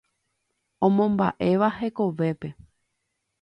Omomba'éva hekovépe.